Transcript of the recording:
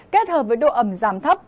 kết hợp với độ ẩm giảm thấp